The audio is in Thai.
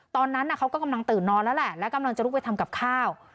ตอนนั้นเขาก็กำลังตื่นนอนแล้วแหละแล้วกำลังจะลุกไปทำกับข้าว